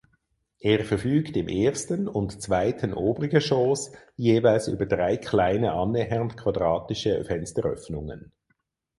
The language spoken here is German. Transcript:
Er verfügt im ersten und zweiten Obergeschoss jeweils über drei kleine annähernd quadratische Fensteröffnungen.